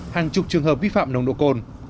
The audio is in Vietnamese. hàng chục trường hợp vi phạm nồng độ cồn